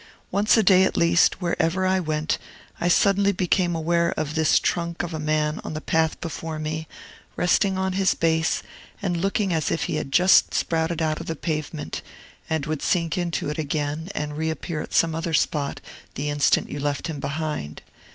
Once a day, at least, wherever I went, I suddenly became aware of this trunk of a man on the path before me, resting on his base, and looking as if he had just sprouted out of the pavement, and would sink into it again and reappear at some other spot the instant you left him behind.